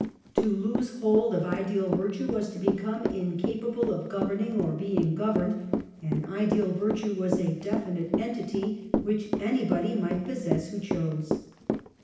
To lose hold of ideal virtue was to become incapable of governing or being governed ; and ideal virtue was a definite entity which anybody might possess who chose.